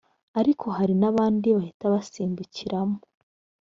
ariko hari n abandi bahita basimbukiramo